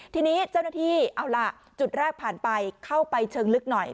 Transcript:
ทีนี้เจ้าหน้าที่เอาล่ะจุดแรกผ่านไปเข้าไปเชิงลึกหน่อย